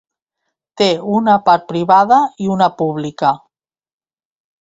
Té una part privada i una pública.